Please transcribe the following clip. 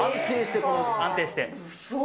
安定して。